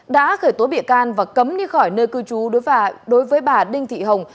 đã khởi tố bị can và cấm đi khỏi nơi cư trú đối với bà đinh thị hồng